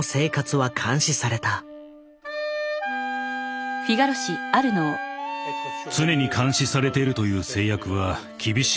常に監視されているという制約は厳しいものです。